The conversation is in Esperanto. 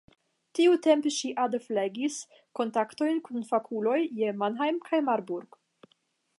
Tiutempe ŝi ade flegis kontaktojn kun fakuloj je Mannheim kaj Marburg.